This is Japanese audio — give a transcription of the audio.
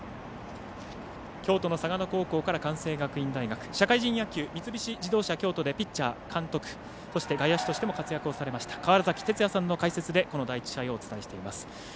京都の嵯峨野高校から関西学院大学社会人野球、三菱自動車京都でピッチャー、監督そして外野手としても活躍された川原崎哲也さんの解説でこの第１試合をお伝えしています。